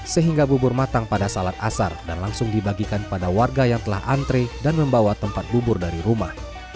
sehingga bubur matang pada salat asar dan langsung dibagikan pada warga yang telah antre dan membawa tempat bubur dari rumah